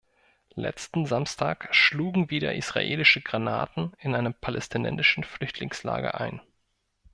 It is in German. Letzten Samstag schlugen wieder israelische Granaten in einem palästinensischen Flüchtlingslager ein.